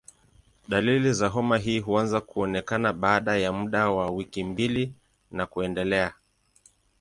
Dalili za homa hii huanza kuonekana baada ya muda wa wiki mbili na kuendelea.